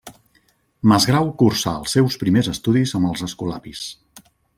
Masgrau cursà els seus primers estudis amb els escolapis.